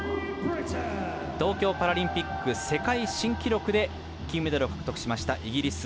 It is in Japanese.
東京パラリンピック世界新記録で金メダルを獲得しましたイギリス。